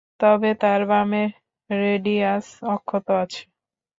তবে তার বামের রেডিয়াস অক্ষত আছে।